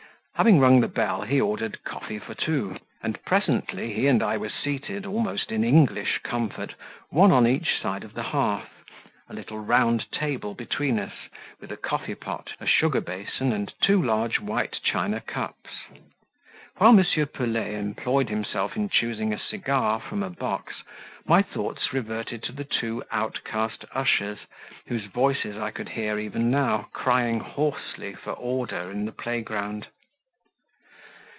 Having rung the bell he ordered "Coffee for two," and presently he and I were seated, almost in English comfort, one on each side of the hearth, a little round table between us, with a coffee pot, a sugar basin, and two large white china cups. While M. Pelet employed himself in choosing a cigar from a box, my thoughts reverted to the two outcast ushers, whose voices I could hear even now crying hoarsely for order in the playground.